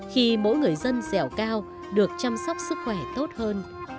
khi mỗi người dân dẻo cao được chăm sóc sức khỏe tốt hơn